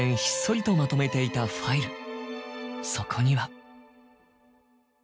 そこには。